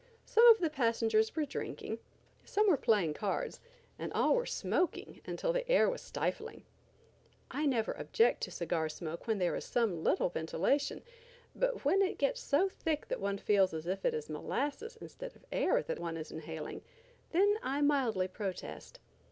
Some of the passengers were drinking, some were playing cards, and all were smoking until the air was stifling. I never object to cigar smoke when there is some little ventilation, but when it gets so thick that one feels as if it is molasses instead of air that one is inhaling, then I mildly protest.